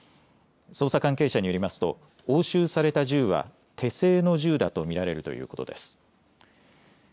捜査関係者によりますと押収された銃は手製の銃だとみられるということです。